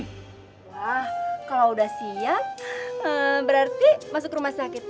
wah kalau udah siap berarti masuk rumah sakit